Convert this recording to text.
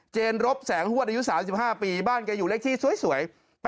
เจนรบแสงฮวดอายุ๓๕ปีบ้านแกอยู่เลขที่สวย